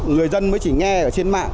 người dân mới chỉ nghe ở trên mạng